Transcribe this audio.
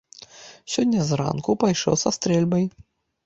Сёння зранку пайшоў са стрэльбай.